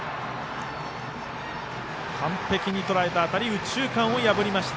完璧にとらえた当たり右中間を破りました。